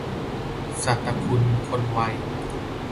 ศตคุณ คนไว